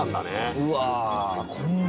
うわ。